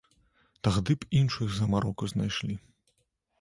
Тагды б іншую замароку знайшлі.